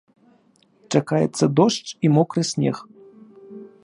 Чакаецца дождж і мокры снег.